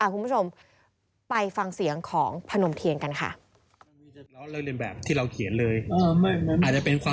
คุณผู้ชมไปฟังเสียงของพนมเทียนกันค่ะ